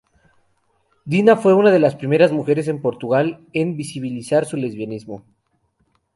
Dina fue una de las primeras mujeres en Portugal en visibilizar su lesbianismo.